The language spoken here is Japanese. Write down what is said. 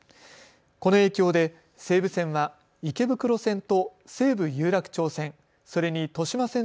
この影響で西武線は池袋線と西武有楽町線